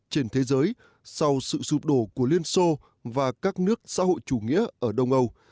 trên thế giới sau sự sụp đổ của liên xô và các nước xã hội chủ nghĩa ở đông âu